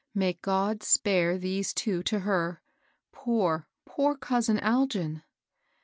May God spare these two to her I Poor, poor cousin Algin